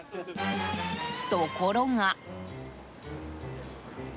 ところが。